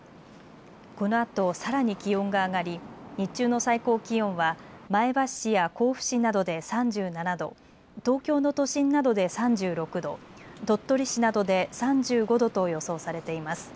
このあとさらに気温が上がり日中の最高気温は前橋市や甲府市などで３７度、東京の都心などで３６度、鳥取市などで３５度と予想されています。